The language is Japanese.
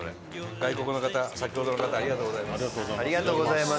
外国の方、先ほどの方ありがとうございます。